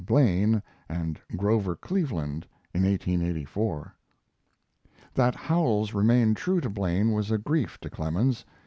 Blaine and Grover Cleveland in 1884. That Howells remained true to Blaine was a grief to Clemens.